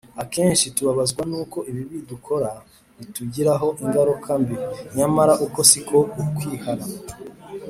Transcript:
akenshi tubabazwa n’uko ibibi dukora bitugiraho ingaruka mbi; nyamara uko si ukwihana